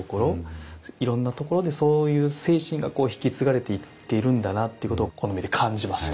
いろんなところでそういう精神が引き継がれているんだなっていうことをこの目で感じました。